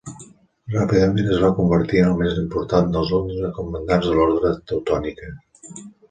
Ràpidament es va convertir en el més important dels onze comandants de l'Ordre Teutònica.